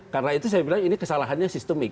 karena itu saya bilang ini kesalahannya sistemik